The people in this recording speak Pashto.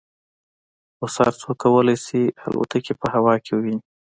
اوس هر څوک کولای شي الوتکې په هوا کې وویني